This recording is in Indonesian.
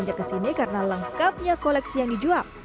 banyak kesini karena lengkapnya koleksi yang dijual